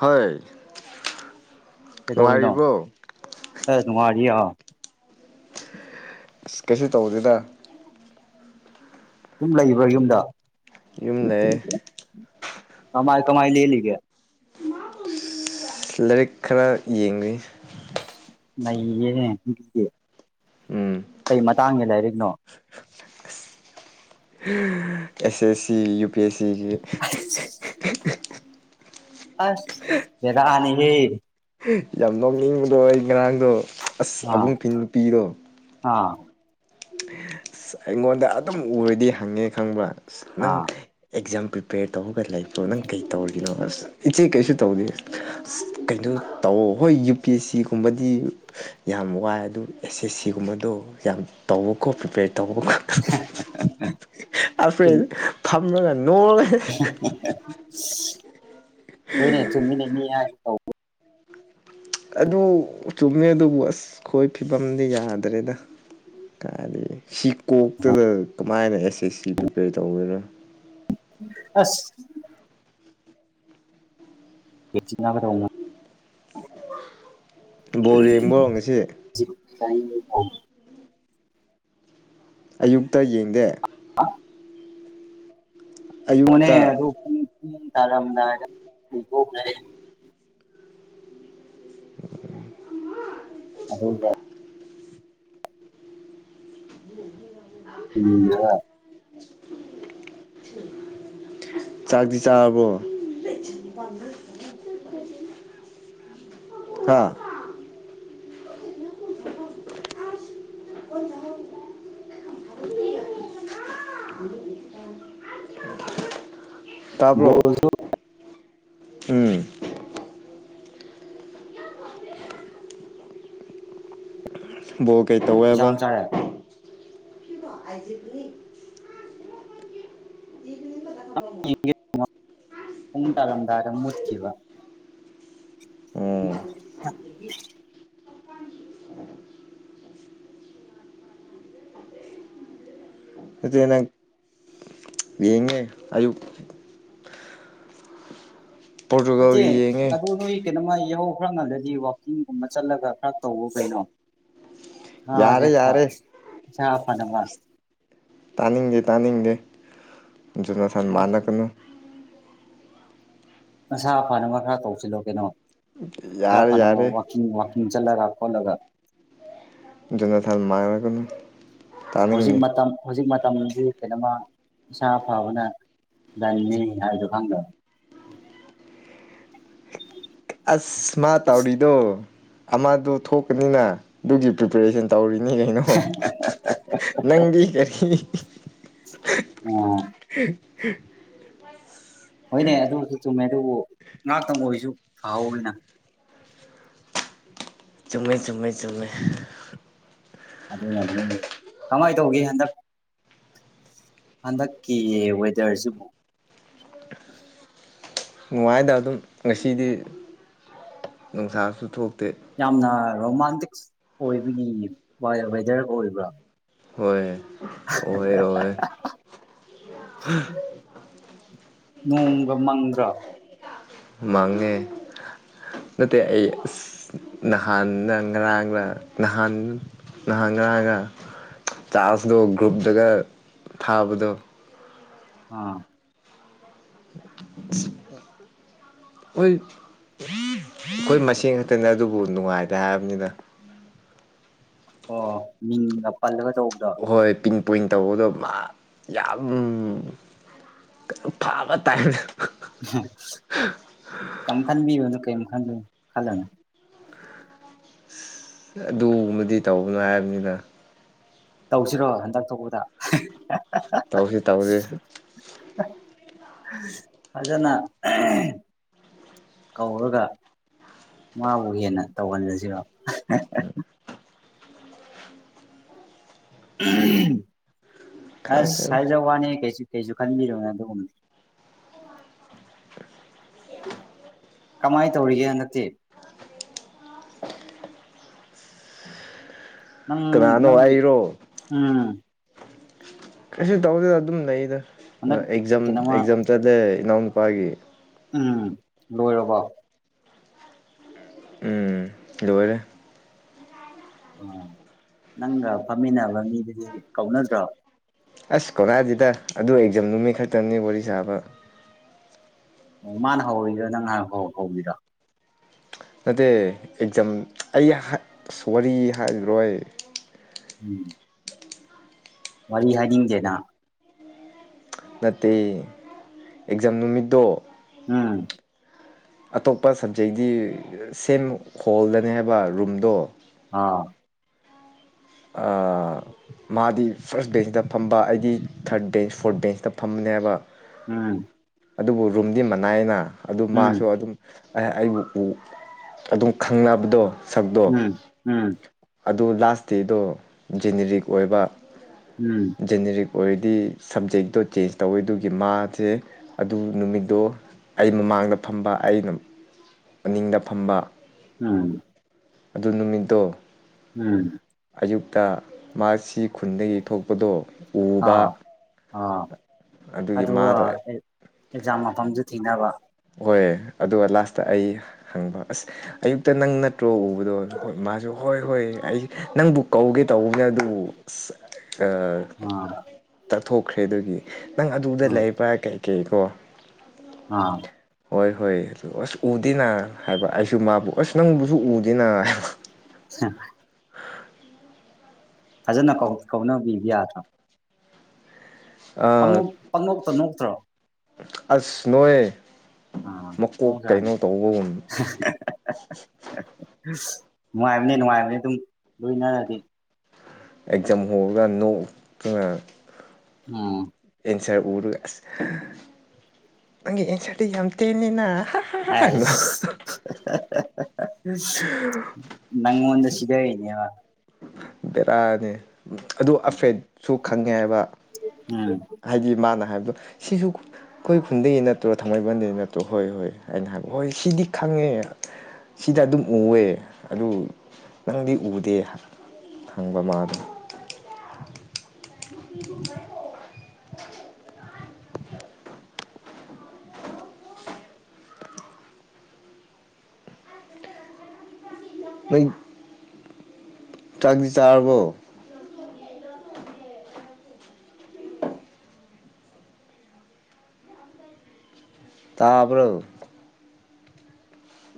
ꯍꯣꯏ ꯀꯩꯗꯧꯔꯤꯅꯣ ꯅꯨꯡꯉꯥꯏꯔꯤꯕꯣ ꯑꯦ ꯅꯨꯡꯉꯥꯏꯔꯤ ꯑꯥ ꯑꯁ ꯀꯩꯁꯨ ꯇꯧꯗꯦꯗ ꯁꯨꯝ ꯂꯩꯕ꯭ꯔꯥ ꯌꯨꯝꯗ ꯌꯨꯝ ꯂꯩꯌꯦ ꯀꯃꯥꯏ ꯀꯃꯥꯏ ꯂꯦꯜꯂꯤꯒꯦ ꯂꯥꯏꯔꯤꯛ ꯈꯔ ꯌꯦꯡꯔꯤ ꯑꯁ ꯅꯩꯔꯦꯅꯦ ꯑꯗꯨꯗꯤ ꯎꯝ ꯀꯩ ꯃꯇꯥꯡꯒꯤ ꯂꯥꯏꯔꯤꯛꯅꯣ ꯑꯦꯁ S C U P S ꯁꯤꯒꯤ [unintelligible] ꯑꯁ ꯕꯦꯔꯥꯅꯤꯍꯦ ꯌꯥꯝ ꯅꯣꯛꯅꯤꯡꯕꯗꯣ ꯑꯩ ꯉꯔꯥꯡꯗꯣ ꯑꯁ ꯑꯥ ꯑꯕꯨꯡꯄꯤ ꯅꯨꯄꯤꯗꯣ ꯑꯥ ꯑꯁ ꯑꯩꯉꯣꯟꯗ ꯑꯗꯨꯝ ꯎꯔꯗꯤ ꯍꯪꯉꯦ ꯈꯪꯕ꯭ꯔꯥ ꯑꯁ ꯅꯪ ꯑꯥ ꯑꯦꯛꯖꯥꯝ ꯄ꯭ꯔꯤꯄꯦꯌꯔ ꯇꯧꯔꯒ ꯂꯩꯕ꯭ꯔꯣ ꯅꯪ ꯀꯩ ꯇꯧꯔꯤꯒꯤꯅꯣ ꯑꯁ ꯏꯆꯦ ꯀꯩꯁꯨ ꯇꯧꯗꯦ ꯑꯁ ꯀꯩꯅꯣ ꯇꯧ ꯍꯣꯏ ꯌꯨ ꯄꯤ ꯑꯦꯁ ꯁꯤꯒꯨꯝꯕꯗꯤ ꯌꯥꯝ ꯋꯥꯏ ꯑꯗꯨ ꯑꯦꯁ ꯑꯦꯁ ꯁꯤꯒꯨꯝꯕꯗꯣ ꯌꯥꯝ ꯇꯧꯌꯣꯀꯣ ꯄ꯭ꯔꯤꯄꯦꯌꯔ ꯇꯧꯕ ꯈꯛꯇꯪ ꯆꯨꯝ ꯑꯈꯣꯏꯟ ꯐꯝꯔꯒ ꯅꯣꯛꯂꯒ ꯍꯣꯏꯅꯦ ꯆꯨꯝꯃꯤꯅꯦ ꯃꯤ ꯍꯥꯏꯗꯣ ꯇꯧ ꯑꯗꯨ ꯆꯨꯝꯃꯦ ꯑꯗꯨꯕꯨ ꯑꯁ ꯈꯣꯏ ꯐꯤꯕꯝꯗꯤ ꯌꯥꯗ꯭ꯔꯦꯗ ꯀꯥꯏꯗꯒꯤ ꯁꯤ ꯀꯣꯛꯇꯗ ꯀꯃꯥꯏꯅ ꯑꯦꯁ ꯑꯦꯁ ꯁꯤ ꯄ꯭ꯔꯤꯄꯦꯌꯔ ꯇꯧꯒꯔꯣ ꯑꯁ [unintelligible] ꯕꯣꯜ ꯌꯦꯡꯕ꯭ꯔꯣ ꯉꯁꯤ [unintelligible] ꯑꯌꯨꯛꯇ ꯌꯦꯡꯗꯦ [unintelligible] ꯑꯌꯨꯛꯇ [unintelligible] ꯑꯗꯨ ꯄꯨꯡ ꯄꯨꯡ ꯇꯥꯔꯝꯗꯥꯏꯗ [unintelligible] [unintelligible] ꯑꯗꯨꯒ [unintelligible] ꯆꯥꯛꯇꯤ ꯆꯥꯔꯕꯣ [unintelligible] ꯍꯥꯥ ꯇꯥꯕ꯭ꯔꯣ ꯒꯣꯜ ꯎꯝ ꯕꯣꯜ ꯀꯩ ꯇꯧꯋꯦꯕ ꯀꯩꯁꯥꯝ ꯆꯥꯔꯦ [unintelligible] [unintelligible] ꯄꯨꯡ ꯇꯥꯔꯝꯗꯥꯏꯗ ꯃꯨꯠꯈꯤꯕ ꯎꯝ [unintelligible] ꯑꯗꯨꯗꯤ ꯅꯪ ꯌꯦꯡꯉꯦ ꯑꯌꯨꯛ ꯅꯠꯇꯦ ꯄꯣꯔꯇꯨꯒꯜꯒꯤ ꯌꯦꯡꯉꯦ ꯑꯗꯨ ꯅꯣꯏ ꯀꯩꯅꯣꯃ ꯌꯥꯍꯧ ꯈꯔ ꯉꯜꯂꯗꯤ ꯋꯥꯛꯀꯤꯡꯒꯨꯝꯕ ꯆꯠꯂꯒ ꯈꯔ ꯇꯧꯕ ꯀꯩꯅꯣ ꯌꯥꯔꯦ ꯌꯥꯔꯦ [unintelligible] ꯏꯁꯥ ꯐꯅꯕ ꯇꯥꯅꯤꯡꯗꯦ ꯇꯥꯅꯤꯡꯗꯦ ꯖꯣꯅꯥꯊꯟ ꯃꯥꯟꯅꯒꯅꯨ ꯅꯁꯥ ꯐꯅꯕ ꯈꯔ ꯇꯧꯁꯤꯜꯂꯣ ꯀꯩꯅꯣ ꯅꯁꯥ ꯌꯥꯔꯦ ꯐꯅꯕ ꯌꯥꯔꯦ ꯋꯥꯛ ꯀꯤꯡ ꯋꯥꯛꯀꯤꯡ ꯆꯠꯂꯒ ꯈꯣꯠꯂꯒ ꯖꯣꯅꯥꯊꯟ ꯃꯥꯏꯔꯒꯅꯨ ꯍꯧꯖꯤꯛ ꯃꯇꯝ ꯍꯧꯖꯤꯛ ꯃꯇꯝꯁꯤ ꯀꯩꯅꯣꯃ ꯏꯁꯥ ꯐꯕꯅ ꯂꯟꯅꯤ ꯍꯥꯏꯕꯗꯨ ꯈꯪꯗ ꯑꯁ ꯃꯥ ꯇꯧꯔꯤꯗꯣ ꯑꯃꯗꯨ ꯊꯣꯛꯄꯅꯤꯅ ꯑꯗꯨꯒꯤ ꯄ꯭ꯔꯤꯄꯦꯔꯦꯁꯟ ꯇꯧꯔꯤꯅꯤ ꯀꯩꯅꯣ ꯅꯪꯗꯤ ꯌꯈꯤ ꯑꯣ ꯍꯣꯏꯅꯦ ꯑꯗꯨꯁꯨ ꯆꯨꯝꯃꯦ ꯑꯗꯨꯕꯨ ꯉꯥꯛꯇꯪ ꯑꯣꯏꯁꯨ ꯐꯍꯧꯅ ꯆꯨꯝꯃꯦ ꯆꯨꯝꯃꯦ ꯆꯨꯝꯃꯦ ꯑꯗꯨꯅꯅꯦ ꯀꯃꯥꯏ ꯇꯧꯒꯦ ꯍꯟꯗꯛ ꯍꯟꯗꯛꯀꯤ ꯋꯦꯗꯔꯁꯤꯕꯨ ꯅꯨꯡꯉꯥꯏꯗ ꯑꯗꯨꯝ ꯉꯁꯤꯗꯤ ꯅꯨꯡꯁꯥꯁꯨ ꯊꯣꯛꯇꯦ ꯌꯥꯝꯅ ꯔꯣꯃꯥꯟꯇꯤꯛ ꯑꯣꯏꯕꯒꯤ ꯋꯦꯗꯔ ꯑꯣꯏꯕ꯭ꯔꯥ ꯍꯣꯏ ꯑꯣꯏ ꯑꯣꯏ ꯅꯣꯡꯒ ꯃꯪꯗꯔꯥ ꯃꯪꯉꯦ ꯅꯠꯇꯦ ꯑꯩ ꯑꯁ ꯅꯍꯥꯟꯅ ꯉꯔꯥꯡꯅ ꯅꯍꯥꯟ ꯅꯍꯥꯟ ꯅꯍꯥꯟꯒ ꯆꯥꯔꯖꯇꯣ ꯒ꯭ꯔꯨꯞꯇꯒ ꯊꯥꯕꯗꯣ ꯑ ꯍꯣꯏ ꯑꯩꯈꯣꯏ ꯃꯁꯤꯡ ꯈꯛꯇꯅꯦ ꯑꯗꯨꯕꯨ ꯅꯨꯡꯉꯥꯏꯗꯦ ꯍꯥꯏꯕꯅꯤꯅ ꯑꯣ ꯃꯤꯡꯗ ꯄꯜꯂꯒ ꯇꯧꯕꯗꯣ ꯍꯣꯏ ꯄꯤꯟ ꯄꯣꯏꯟ ꯇꯧꯕꯗꯣ ꯃꯥ ꯌꯥꯝ ꯐꯥꯕ ꯇꯥꯏꯅ ꯀꯩꯝ ꯈꯟꯕꯤꯌꯨꯅꯣ ꯀꯔꯤꯝ ꯈꯟꯗꯣꯏꯅ ꯈꯜꯂꯅꯨ ꯑꯗꯨꯒꯨꯝꯕꯗꯤ ꯇꯧꯕꯅꯣ ꯍꯥꯏꯕꯅꯤꯅ ꯇꯧꯁꯤꯔꯣ ꯍꯟꯗꯛ ꯊꯣꯛꯄꯗ ꯇꯧꯁꯤ ꯇꯧꯁꯤ ꯐꯖꯅ ꯀꯧꯔꯒ ꯃꯥꯕꯨ ꯍꯦꯟꯅ ꯇꯧꯍꯜꯂꯁꯤꯔꯣ ꯑꯁ ꯈꯪꯗꯦꯗ ꯍꯥꯏꯖ ꯋꯥꯅꯤ ꯀꯩꯁꯨ ꯀꯩꯁꯨ ꯈꯟꯕꯤꯔꯕꯔꯕꯅꯦ ꯑꯗꯨꯒꯨꯝꯕꯅꯤ ꯀꯃꯥꯏꯅ ꯇꯧꯔꯤꯒꯦ ꯍꯟꯗꯛꯇꯤ ꯅꯪ ꯀꯅꯥꯅꯣ ꯅꯪꯒꯤ ꯑꯩꯔꯣ ꯎꯝ ꯀꯩꯁꯨ ꯇꯧꯗꯦꯗ ꯑꯗꯨꯝ ꯂꯩꯗ ꯍꯟꯗꯛ ꯑꯦꯛꯖꯥꯝ ꯀꯩꯅꯣꯃ ꯑꯦꯛꯖꯥꯝ ꯆꯠꯂꯦ ꯏꯅꯥꯎꯅꯨꯄꯥꯒꯤ ꯎꯝ ꯂꯣꯏꯔꯕꯣ ꯎꯝ ꯂꯣꯏꯔꯦ ꯑꯣ ꯅꯪꯒ ꯐꯝꯃꯤꯟꯅꯕ ꯃꯤꯗꯨꯗꯤ ꯀꯧꯅꯗ꯭ꯔꯣ ꯑꯁ ꯀꯧꯅꯥꯗꯤꯗ ꯑꯗꯨ ꯑꯦꯛꯖꯝ ꯅꯨꯃꯤꯠ ꯈꯛꯇꯅꯤ ꯋꯥꯔꯤ ꯁꯥꯕ ꯑꯣ ꯃꯥꯅ ꯍꯧꯔꯤꯔꯣ ꯅꯪ ꯍꯥꯟ ꯍꯧꯕꯤꯔꯣ ꯅꯠꯇꯦ ꯑꯦꯛꯖꯝ ꯑꯩ ꯍꯥꯏ ꯋꯥꯔꯤ ꯍꯥꯏꯔꯔꯣꯏ ꯎꯝ ꯋꯥꯔꯤ ꯍꯥꯏꯅꯤꯡꯗꯦꯅ ꯅꯠꯇꯦ ꯑꯦꯛꯖꯥꯝ ꯅꯨꯃꯤꯠꯇꯣ ꯑ ꯑꯇꯣꯞꯄ ꯁꯕꯖꯦꯛꯒꯤ ꯁꯦꯝ ꯍꯣꯜꯗꯅꯤ ꯍꯥꯏꯕ ꯔꯨꯝꯗꯣ ꯑ ꯑꯥ ꯃꯥꯗꯤ ꯐꯥꯔꯁ ꯕꯦꯟꯁꯇ ꯐꯝꯕ ꯑꯩꯗꯤ ꯊꯥꯔꯠ ꯕꯦꯟꯁ ꯐꯣꯔꯠ ꯕꯦꯟꯁꯇ ꯐꯝꯕꯅꯦꯕ ꯎꯝ ꯑꯗꯨꯕꯨ ꯔꯨꯝꯗꯤ ꯃꯅꯥꯏꯅ ꯑꯗꯨ ꯎꯝ ꯃꯥꯁꯨ ꯑꯗꯨꯝ ꯑꯦ ꯑꯩꯕꯨ ꯎ ꯑꯗꯨꯝ ꯈꯪꯅꯕꯗꯣ ꯁꯛꯇꯣ ꯎꯝ ꯎꯝ ꯑꯗꯨ ꯂꯥꯁ ꯗꯦꯗꯣ ꯖꯦꯅꯦꯔꯤꯛ ꯑꯣꯏꯕ ꯎꯝ ꯖꯦꯅꯦꯔꯤꯛ ꯑꯣꯏꯔꯗꯤ ꯁꯞꯖꯦꯛꯇꯣ ꯆꯦꯟꯖ ꯇꯧꯋꯦ ꯑꯗꯨꯒꯤ ꯃꯥꯁꯦ ꯑꯗꯨ ꯅꯨꯃꯤꯠꯇꯣ ꯑꯩ ꯃꯃꯥꯡꯗ ꯐꯝꯕ ꯑꯩꯅ ꯑꯅꯤꯡꯗ ꯐꯝꯕ ꯎꯝ ꯑꯗꯨ ꯅꯨꯃꯤꯠꯇꯣ ꯎꯝ ꯑꯌꯨꯛꯇ ꯃꯥꯁꯤ ꯈꯨꯟꯗꯒꯤ ꯊꯣꯛꯄꯗꯣ ꯑꯥꯎ ꯎꯕ ꯑꯥ ꯑꯗꯨꯒꯤ ꯑꯗꯨꯒ ꯃꯥꯗꯣ ꯑꯦ ꯑꯦꯛꯖꯥꯝ ꯃꯐꯝꯁꯨ ꯊꯤꯅꯕ ꯍꯣꯏ ꯑꯗꯨꯒ ꯂꯥꯁꯇ ꯑꯩ ꯍꯪꯕ ꯑꯁ ꯑꯌꯨꯛꯇ ꯅꯪꯅ ꯇ꯭ꯔꯣ ꯎꯕꯗꯣ ꯍꯣꯏ ꯃꯥꯁꯨ ꯍꯣꯏ ꯍꯣꯏ ꯑꯩ ꯅꯪꯕꯨ ꯀꯧꯒꯦ ꯇꯧꯕꯒꯤ ꯑꯗꯨꯕꯨ ꯑꯁ ꯑ ꯎꯝ ꯇꯠꯊꯣꯛꯈ꯭ꯔꯦ ꯑꯗꯨꯒꯤ ꯅꯪ ꯑꯗꯨꯗ ꯑꯥ ꯂꯩꯕ꯭ꯔꯥ ꯀꯩꯀꯩ ꯀꯣ ꯑꯥ ꯍꯣꯏ ꯍꯣꯏ ꯑꯗꯨ ꯑꯁ ꯎꯗꯦꯅ ꯍꯥꯏꯕ ꯑꯩꯁꯨ ꯃꯥꯕꯨ ꯑꯁ ꯅꯪꯕꯨꯁꯨ ꯎꯗꯦꯅ ꯍꯥꯏꯕ ꯎꯝ ꯐꯖꯅ ꯀꯧ ꯀꯧꯅꯕꯤꯕ ꯌꯥꯗ꯭ꯔꯣ ꯍꯥꯏꯕ ꯄꯪꯅꯣꯛ ꯄꯪꯅꯣꯛꯇ ꯅꯣꯛꯇ꯭ꯔꯣ ꯑꯁ ꯅꯣꯛꯑꯦ ꯑꯥ ꯃꯧꯖꯥꯅꯦ ꯇꯧꯕꯒꯨꯝ ꯅꯨꯡꯉꯥꯏꯕꯅꯦ ꯅꯨꯡꯉꯥꯏꯕꯅꯦ ꯑꯗꯨꯝ ꯂꯣꯏꯅꯔꯗꯤ ꯑꯦꯛꯖꯥꯝ ꯍꯧꯔꯒ ꯅꯣꯛꯇꯅ ꯑ ꯑꯦꯟꯁꯔ ꯎꯔꯒ ꯑꯁ ꯅꯪꯒꯤ ꯑꯦꯟꯁꯔꯗꯤ ꯌꯥꯝ ꯇꯦꯜꯂꯤꯅ ꯑꯥꯏꯁ ꯅꯪꯉꯣꯟꯗ ꯁꯤꯗꯔꯤꯅꯦꯕ ꯕꯦꯔꯥꯅꯤ ꯑꯗꯨ ꯎꯝ ꯑꯐ꯭ꯔꯦꯠꯁꯨ ꯈꯪꯉꯦ ꯍꯥꯏꯕ ꯎꯝ ꯍꯥꯏꯗꯤ ꯃꯥꯅ ꯍꯥꯏꯕꯗꯣ ꯁꯤꯁꯨ ꯑꯈꯣꯏ ꯈꯨꯟꯗꯒꯤ ꯅꯠꯇ꯭ꯔꯣ ꯊꯥꯡꯃꯩꯕꯟꯗꯒꯤꯗꯒꯤ ꯅꯠꯇ꯭ꯔꯣ ꯍꯣꯏ ꯍꯣꯏ ꯑꯩꯅ ꯍꯥꯏꯕ ꯍꯣꯏ ꯁꯤꯗꯤ ꯈꯪꯉꯦ ꯁꯤꯗ ꯑꯗꯨꯝ ꯎꯋꯦ ꯑꯗꯨ ꯅꯪꯗꯤ ꯎꯗꯦ ꯍꯪꯕ ꯃꯥꯗꯣ [unintelligible] ꯄꯩ ꯆꯥꯛꯗꯤ ꯆꯔꯔꯕꯣ ꯇꯥꯕ꯭ꯔꯣ